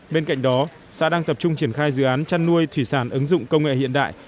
bên cạnh đó xã đang tập trung triển khai dự án chăn nuôi thủy sản ứng dụng công nghệ hiện đại